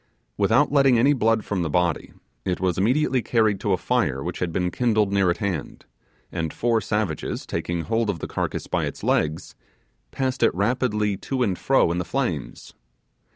Without letting any blood from the body, it was immediately carried to a fire which had been kindled near at hand and four savages taking hold of the carcass by its legs, passed it rapidly to and fro in the flames.